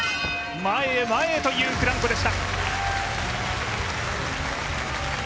前へ前へというフランコでした。